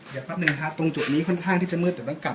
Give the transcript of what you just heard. เดี๋ยวแป๊บหนึ่งฮะตรงจุดนี้ค่อนข้างที่จะมืดแต่ว่ากลับ